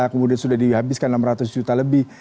kemudian sudah dihabiskan enam ratus juta lebih